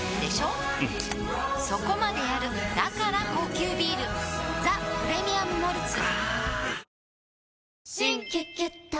うんそこまでやるだから高級ビール「ザ・プレミアム・モルツ」